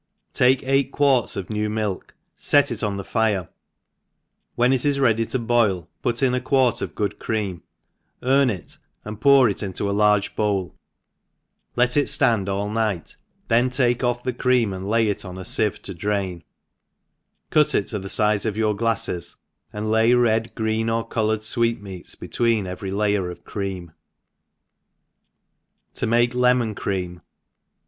TAKE eight quarts of. new milk, fet it on the fire, when it is ready to boil put in a quart •of good cream, earn it, and pour it into a Urge. bpwl, let it fl:and all night, then take ofl^ the creami !• ENGLISH HOUSE KEEPER. 151 cream, and lay it on a fieve to drain, cut it to the fize of your glaiTes, and lay red, green, or co^ loured fweetmeats between every layer of cream« To make Lemon Cream.